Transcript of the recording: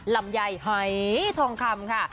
ลำไยหอยทองคำค่ะ